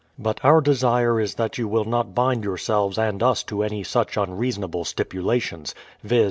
But our desire is that you will not bind yourselves and us to any such unreasonable stipulations, viz.